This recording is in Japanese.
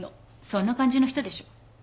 そんな感じの人でしょ？